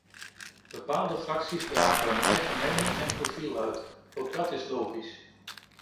Bepaalde fracties dragen hun eigen mening en profiel uit, ook dat is logisch.